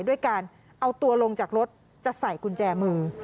ด้วยการเอาตัวลงจากรถจะใส่กุญแจมือ